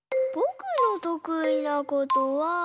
ぼくのとくいなことは。